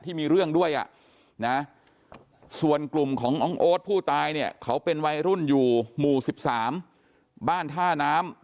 ที่มีเรื่องด้วยนะส่วนกลุ่มของน้องโอ๊ตผู้ตายเนี่ยเขาเป็นวัยรุ่นอยู่หมู่๑๓บ้านท่าน้ำ